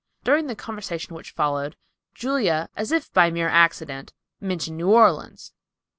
During the conversation which followed, Julia, as if by mere accident, mentioned New Orleans.